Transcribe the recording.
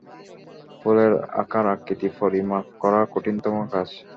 ফুলের আকার আকৃতি পরিমাপ করা কঠিনতম কাজ।